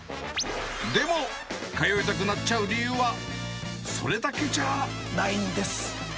でも、通いたくなっちゃう理由はそれだけじゃあないんです。